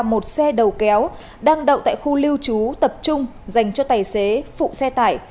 một xe đầu kéo đang đậu tại khu lưu trú tập trung dành cho tài xế phụ xe tải